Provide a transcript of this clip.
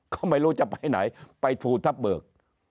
เขาไม่รู้จะไปไหนไปภูทับเบิก